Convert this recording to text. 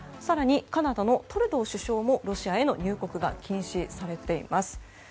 更にカナダのトルドー首相もロシアへの入国が禁止されています。